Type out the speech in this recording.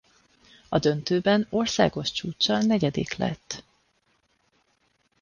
A döntőben országos csúccsal negyedik lett.